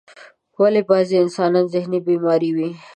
ولی بازی انسانان ذهنی بیماران وی ؟